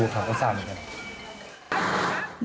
ทำงาน